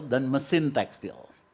dan mesin tekstil